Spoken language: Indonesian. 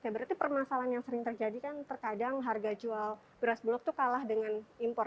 berarti permasalahan yang sering terjadi kan terkadang harga jual beras bulog itu kalah dengan impor